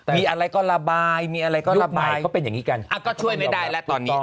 มีอะไรก็ระบายมีอะไรก็มากมายเขาเป็นอย่างนี้กันก็ช่วยไม่ได้แล้วตอนนี้